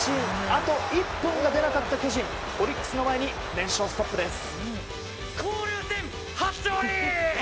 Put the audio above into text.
あと１本が出なかった巨人オリックスの前に連勝ストップです。